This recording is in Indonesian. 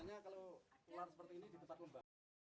sebenarnya kalau ular seperti ini di tempat pembangunan